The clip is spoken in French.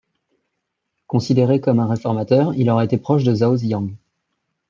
Considéré comme un réformateur, il aurait été proche de Zhao Ziyang.